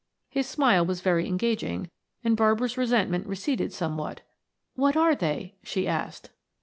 His smile was very engaging and Barbara's resentment receded somewhat. "What are they?" she asked.